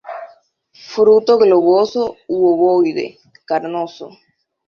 Fruto globoso u ovoide, carnoso.